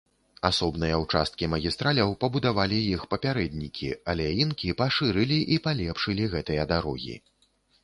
Асобныя ўчасткі магістраляў пабудавалі іх папярэднікі, але інкі пашырылі і палепшылі гэтыя дарогі.